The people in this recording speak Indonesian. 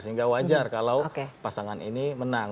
sehingga wajar kalau pasangan ini menang